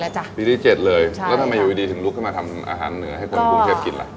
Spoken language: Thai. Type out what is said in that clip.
แล้วเป็นยังไงวีดีถึงลุกมาทำอาหารเหนือให้คนกรุงเทพฯกินอะ